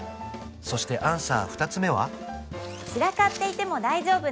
そしてアンサー２つ目は？